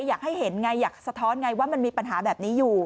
อยากให้เห็นไงอยากสะท้อนไงว่ามันมีปัญหาแบบนี้อยู่